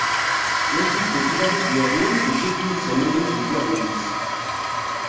Yal tiddukkla i d-yernan, tewwi-d yid-s amaynut deg wahil-is.